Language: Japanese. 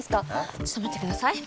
ちょっと待って下さい。